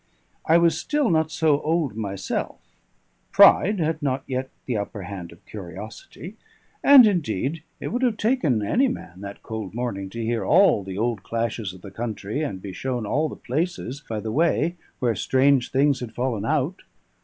I was still not so old myself; pride had not yet the upper hand of curiosity; and indeed it would have taken any man, that cold morning, to hear all the old clashes of the country, and be shown all the places by the way where strange things had fallen out.